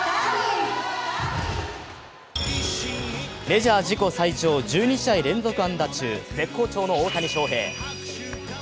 メジャー自己最長１２連続安打中、絶好調の大谷翔平。